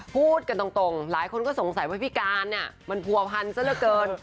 พูดกันตรงหลายคนก็สงสัยว่าพี่การเนี่ยมันผัวพันซะละเกิน